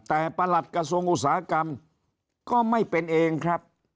แต่ประหลัดกระทรวงอุตสาหกรรมก็ไม่เป็นเองครับ